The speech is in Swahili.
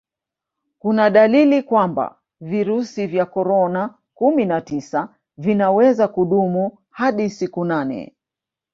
kuna dalili kwamba virusi vya korona kumi na tisa vinaweza kudumu hadi siku nane